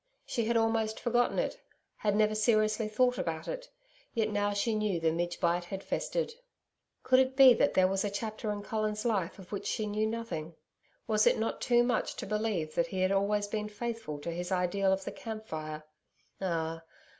She had almost forgotten it had never seriously thought about it. Yet now she knew the midge bite had festered. Could it be that there was a chapter in Colin's life of which she knew nothing? Was it not too much to believe that he had always been faithful to his ideal of the camp fire? Ah!